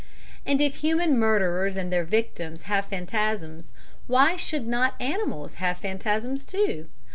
And if human murderers and their victims have phantasms, why should not animals have phantasms too?